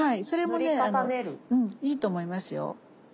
それもねいいと思いますよ。